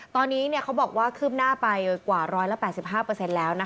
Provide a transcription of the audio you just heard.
ตอนนี้เขาบอกว่าคืบหน้าไปกว่า๑๘๕แล้ว